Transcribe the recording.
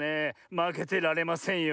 まけてられませんよ。